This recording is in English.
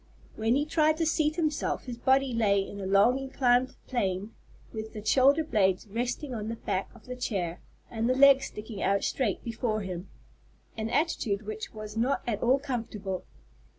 When he tried to seat himself his body lay in a long inclined plane, with the shoulder blades resting on the back of the chair, and the legs sticking out straight before him, an attitude which was not at all comfortable.